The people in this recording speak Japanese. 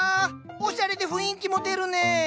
おしゃれで雰囲気も出るね。